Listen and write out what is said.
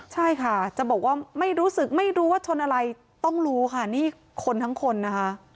ใช่ค่ะจะบอกว่าไม่รู้สึกไม่รู้ว่าชนอะไรต้องรู้ค่ะนี่คนทั้งคนนะคะ